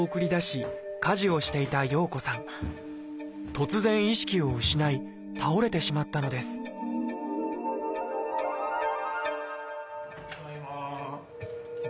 突然意識を失い倒れてしまったのですただいま。